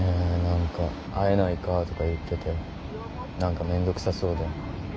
何か会えないか？とか言ってて何かめんどくさそうで。